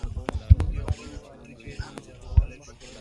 موږ یو بل ټکی هم زیاتولی شو.